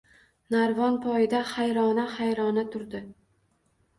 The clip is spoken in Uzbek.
Narvon poyida hayrona-hayrona turdi.